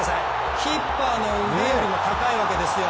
キーパーの上よりも高いわけですよ。